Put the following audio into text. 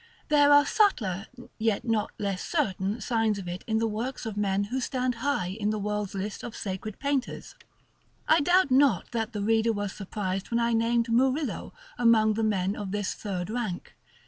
There are subtler, yet not less certain, signs of it in the works of men who stand high in the world's list of sacred painters. I doubt not that the reader was surprised when I named Murillo among the men of this third rank.